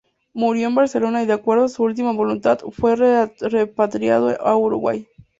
Murió en Barcelona y de acuerdo a su última voluntad, fue repatriado a Uruguay.